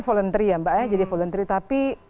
voluntary ya mbak ya jadi voluntary tapi